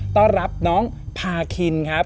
ต้อนรับน้องพาคินครับ